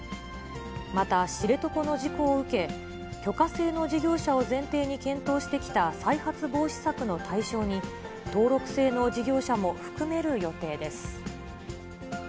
また、知床の事故を受け、許可制の事業者を前提に検討してきた再発防止策の対象に、登録制の事業者も含める予定です。